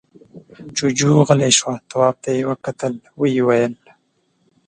جُوجُو غلی شو. تواب ته يې وکتل، ويې ويل: